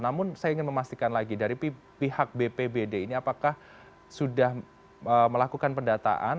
namun saya ingin memastikan lagi dari pihak bpbd ini apakah sudah melakukan pendataan